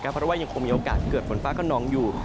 ก็ยังคงมีโอกาสเกิดฝนฟ้าขนองอยู่